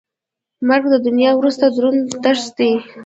مرګ د دنیا وروستی دروند درس دی.